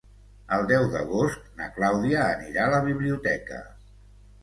El deu d'agost na Clàudia anirà a la biblioteca.